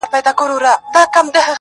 که د سپینو اوبو جام وي ستا له لاسه,